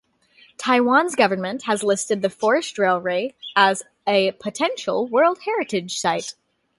Taiwan's government has listed the forest railway as a potential World Heritage Site.